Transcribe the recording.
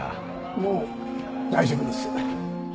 もう大丈夫です。